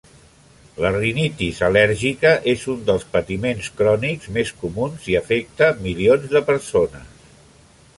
La rinitis al·lèrgica és un dels patiments crònics més comuns i afecta milions de persones.